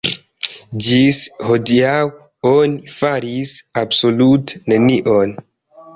Ĝis hodiaŭ oni faris absolute nenion.